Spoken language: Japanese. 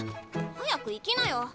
早く行きなよ。